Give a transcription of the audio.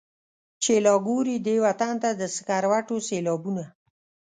چي لا ګوري دې وطن ته د سکروټو سېلابونه.